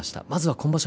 今場所